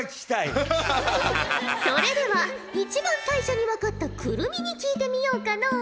それでは一番最初に分かった来泉に聞いてみようかのう。